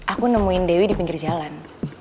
aku nemuin dewi di pinggir jalan